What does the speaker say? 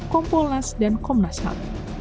kompolnas dan komnashan